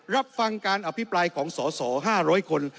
รับฟังการอภิปรายของสส๕๐๐คน